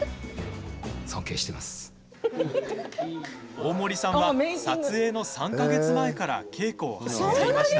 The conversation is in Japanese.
大森さんは、撮影の３か月前から稽古を始めていました。